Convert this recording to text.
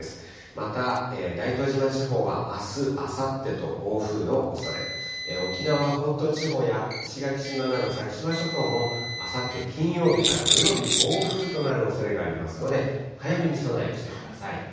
また、大東島地方はあす、あさってと暴風のおそれ、沖縄本島地方や石垣島など、先島諸島もあさって金曜日から土曜日、暴風となるおそれがありますので、早めに備えをしてください。